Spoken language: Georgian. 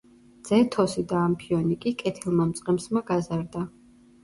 ძეთოსი და ამფიონი კი კეთილმა მწყემსმა გაზარდა.